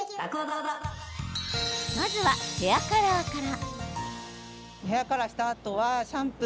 まずは、ヘアカラーから。